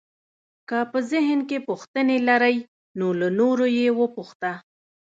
که په ذهن کې پوښتنې لرئ نو له نورو یې وپوښته.